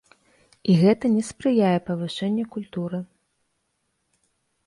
І гэта не спрыяе павышэнню культуры.